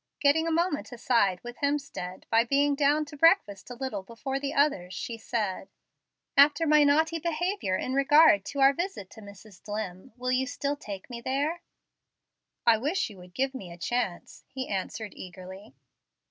Getting a moment aside with Hemstead, by being down to breakfast a little before the others, she said, "After my naughty behavior in regard to our visit to Mrs. Dlimm, will you still take me there?" "I wish you would give me a chance," he answered eagerly.